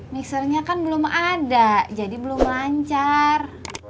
mixernya kan belum ada jadi belum lancar